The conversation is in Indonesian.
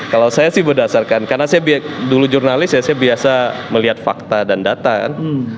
kalau saya sih berdasarkan karena saya dulu jurnalis ya saya biasa melihat fakta dan data kan